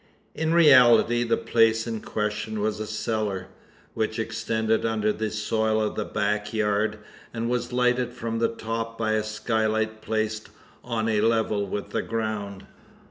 In reality the place in question was a cellar, which extended under the soil of the back yard, and was lighted from the top by a skylight placed on a level with the ground.